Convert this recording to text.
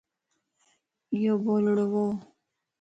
ايو بولڙووَ